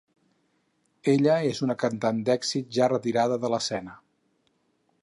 Ella és una cantant d’èxit ja retirada de l’escena.